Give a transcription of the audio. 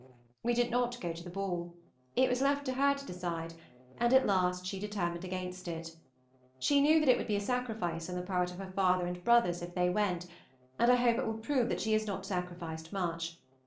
We did not go to the ball. It was left to her to decide, and at last she determined against it. She knew that it would be a sacrifice on the part of her father and brothers if they went, and I hope it will prove that she has not sacrificed much.